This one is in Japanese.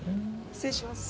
失礼します。